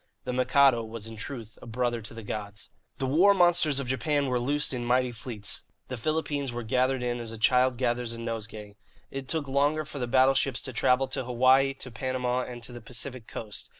The Mikado was in truth a brother to the gods. The war monsters of Japan were loosed in mighty fleets. The Philippines were gathered in as a child gathers a nosegay. It took longer for the battleships to travel to Hawaii, to Panama, and to the Pacific Coast.